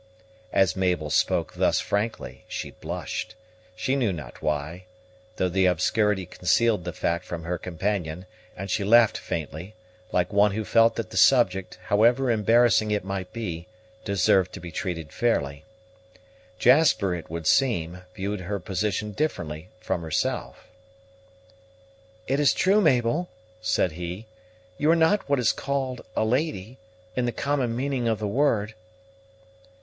As Mabel spoke thus frankly she blushed, she knew not why, though the obscurity concealed the fact from her companion; and she laughed faintly, like one who felt that the subject, however embarrassing it might be, deserved to be treated fairly. Jasper, it would seem, viewed her position differently from herself. "It is true Mabel," said he, "you are not what is called a lady, in the common meaning of the word."